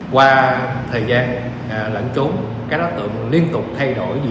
qua thời gian lẫn trốn các đối tượng liên tục thay đổi vị điểm